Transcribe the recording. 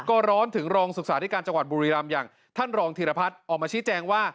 ก็ร้อนถึงรองศึกษาธิการจังหวัดบุรีรำอย่างท่านรองธีรพัฒน์ออกมาชี้แจงว่า